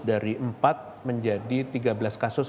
dari empat menjadi tiga belas kasus